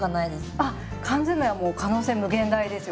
あっ缶詰はもう可能性無限大ですよ。